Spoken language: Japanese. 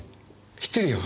知ってるよ。